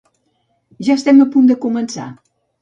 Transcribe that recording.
Ja estem a punt per començar.